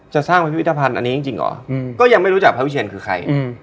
จะสร้างวิทยาภัณฑ์อันนี้จริงหรออืมก็ยังไม่รู้จักพระอุเชนคือใครอืม